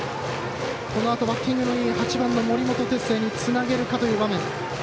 このあとバッティングのいい８番の森本哲星につなげるかという場面。